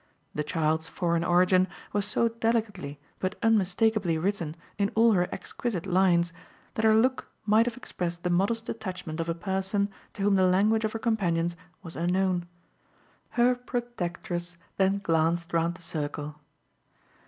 The child's foreign origin was so delicately but unmistakeably written in all her exquisite lines that her look might have expressed the modest detachment of a person to whom the language of her companions was unknown. Her protectress then glanced round the circle.